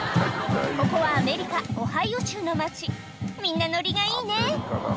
ここはアメリカオハイオ州の町みんなノリがいいね